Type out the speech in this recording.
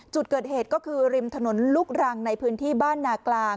จุดเกิดเหตุก็คือริมถนนลูกรังในพื้นที่บ้านนากลาง